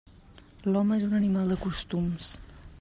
L'home és un animal de costums.